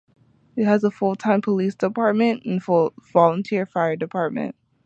It has a full-time police department and volunteer fire department.